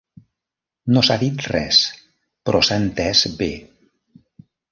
No s'ha dit res, però s'ha entès bé.